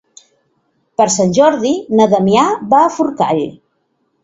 Per Sant Jordi na Damià va a Forcall.